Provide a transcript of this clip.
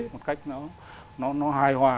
một cách nó hài hòa